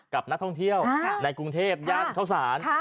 กับนักท่องเที่ยวในกรุงเทพย่านเข้าสาร